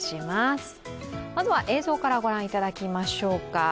まずは映像からご覧いただきましょうか。